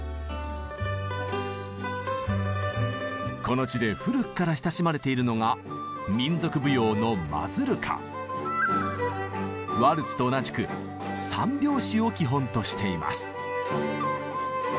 この地で古くから親しまれているのがワルツと同じく３拍子を基本としています。